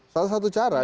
salah satu cara